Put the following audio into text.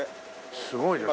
すごいですね。